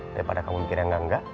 daripada kamu pikir yang enggak enggak